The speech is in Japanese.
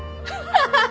ハハハ！